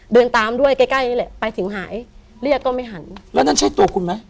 เดินตามด้วยใกล้ใกล้นี่แหละไปถึงหายเรียกก็ไม่หันแล้วนั่นใช่ตัวคุณไหม